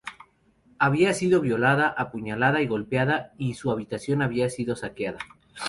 Había sido violada, apuñalada y golpeada, y su habitación había sido saqueada.